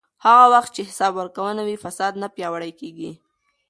هغه وخت چې حساب ورکونه وي، فساد نه پیاوړی کېږي.